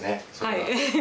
はい。